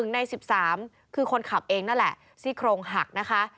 ใน๑๓คือคนขับเองนั่นแหละซี่โครงหักนะคะ